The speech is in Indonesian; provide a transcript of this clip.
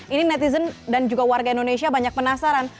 ini netizen dan juga warga indonesia banyak penasaran